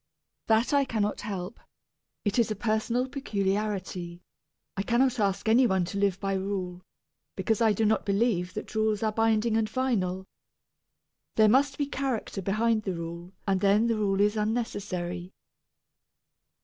That I cannot help it is a personal peculiarity; I cannot ask any one to live by rule, because I do not believe that rules are binding and final. There must be character behind the rule and then the rule is unnecessary.